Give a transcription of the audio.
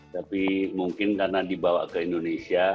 tapi mungkin karena dibawa ke indonesia